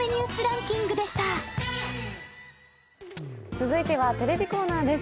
続いてはテレビコーナーです。